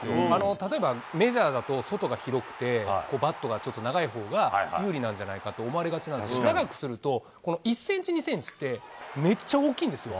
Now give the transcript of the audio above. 例えば、メジャーだと、外が広くて、バットがちょっと長いほうが有利なんじゃないかと思われがちなんですけど、長くすると１センチ、２センチってめっちゃ大きいんですよ。